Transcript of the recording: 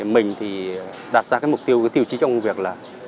mình thì đặt ra cái mục tiêu cái tiêu chí trong công việc là